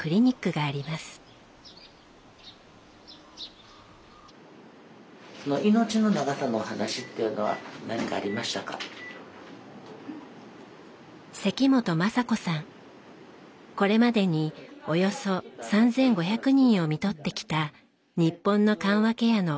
これまでにおよそ３，５００人をみとってきた日本の緩和ケアの草分け的な存在です。